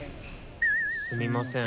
すみません。